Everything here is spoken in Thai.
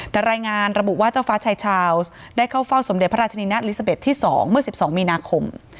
แต่รายงานระบุว่าเจ้าฟ้าชายชาวส์ได้เข้าเฝ้าสมเด็จพระราชนีนะลิซาเบ็ดที่๒เมื่อ๑๒มีนาคม